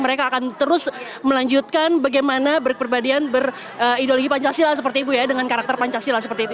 mereka akan terus melanjutkan bagaimana berperbadian berideologi pancasila seperti itu ya dengan karakter pancasila seperti itu